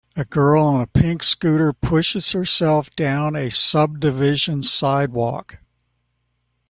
A girl on a pink scooter pushes herself down a subdivsion sidewalk.